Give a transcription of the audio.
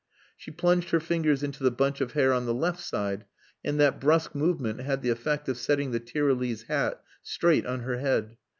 She plunged her fingers into the bunch of hair on the left side, and that brusque movement had the effect of setting the Tyrolese hat straight on her head.